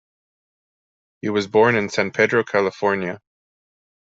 He was born in San Pedro, California.